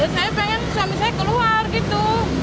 saya pengen suami saya keluar gitu